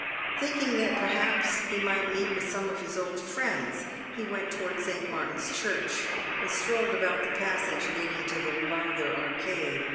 Thinking that, perhaps, he might meet with some of his old friends, he went towards St. Martin's Church, and strolled about the passage leading to the Lowther Arcade.